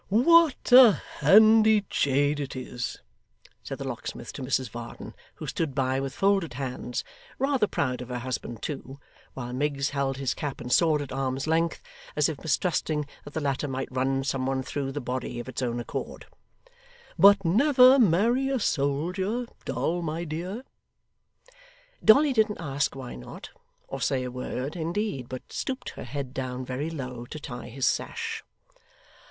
'What a handy jade it is!' said the locksmith to Mrs Varden, who stood by with folded hands rather proud of her husband too while Miggs held his cap and sword at arm's length, as if mistrusting that the latter might run some one through the body of its own accord; 'but never marry a soldier, Doll, my dear.' Dolly didn't ask why not, or say a word, indeed, but stooped her head down very low to tie his sash.